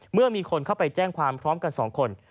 เมื่อมีคนเข้าไปแจ้งความพร้อมกัน๒คน